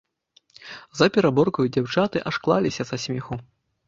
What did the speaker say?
За пераборкаю дзяўчаты аж клаліся са смеху.